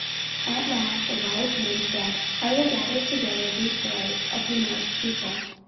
"At last a wise man said, 'I will gather together these stories of the Norse people.